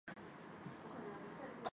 生嫡子张锐。